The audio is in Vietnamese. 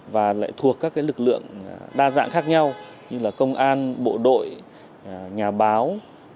và lại thuộc các lực lượng đa dạng khác nhau như là công an bộ đội nhà báo